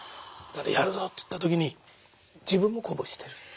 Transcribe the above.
「やるぞ！」って言った時に自分も鼓舞してると。